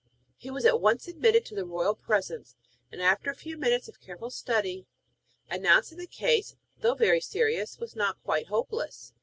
He was at once admitted into the royal presence, and after a few minutes of careful study announced that the case, though very serious, was not quite hopeless.